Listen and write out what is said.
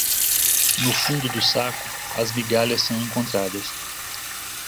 No fundo do saco, as migalhas são encontradas.